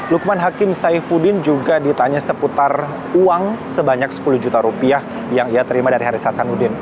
lukman hakim saifuddin juga ditanya seputar uang sebanyak sepuluh juta rupiah yang ia terima dari haris hasanuddin